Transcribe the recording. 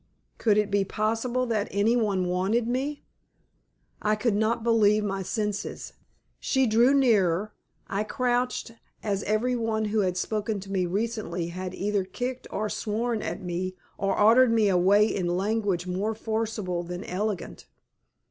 Could it be possible that anyone wanted me? I could not believe my senses. She drew nearer. I crouched, as everyone who had spoken to me recently had either kicked or sworn at me or ordered me away in language more forcible than elegant.